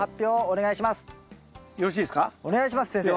お願いします先生。